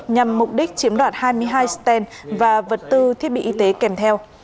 nhằm mục đích chiếm đoạt hai mươi hai sten và vật tư thiết bị y tế kèm theo